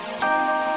ya udah aku mau